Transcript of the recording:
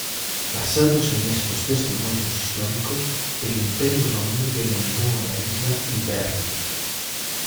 Basándose en estos testimonios históricos, el Imperio Romano denominó a la isla "Hibernia".